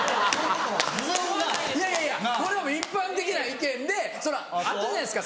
いやいやいやこれは一般的な意見であったじゃないですか。